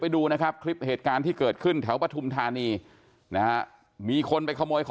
ไม่ใช่นะครับ